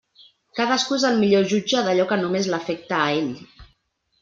Cadascú és el millor jutge d'allò que només l'afecta a ell.